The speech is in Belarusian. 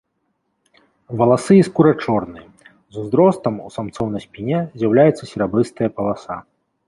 Валасы і скура чорныя, з узростам у самцоў на спіне з'яўляецца серабрыстая паласа.